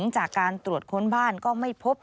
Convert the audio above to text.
จากการตรวจค้นบ้านก็ไม่พบ